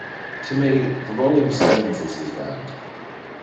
To me The Rolling Stones is his band.